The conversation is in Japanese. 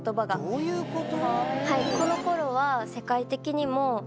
どういうこと？